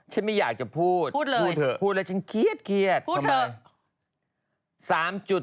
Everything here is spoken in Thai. ฉันไม่อยากจะพูดพูดเลยฉันเครียดทำไมพูดเถอะ